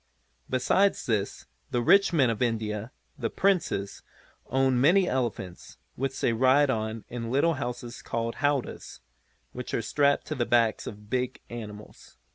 Besides this the rich men of India, the Princes, own many elephants, which they ride on in little houses, called howdahs which are strapped to the backs of the big animals.